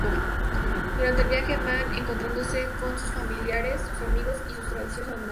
Durante el viaje van encontrándose con sus familiares, sus amigos y sus tradiciones abandonadas.